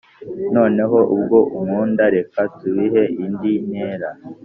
noneho ubwo unkunda reka tubihe indi ntera